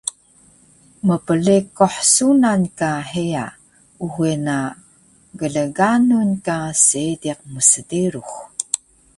mplekuh sunan ka heya, uxe na glganun ka seediq msderux